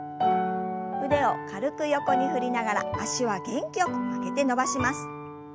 腕を軽く横に振りながら脚は元気よく曲げて伸ばします。